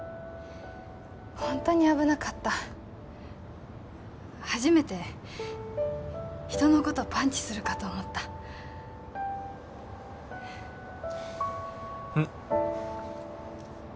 ホントに危なかった初めて人のことパンチするかと思ったんっ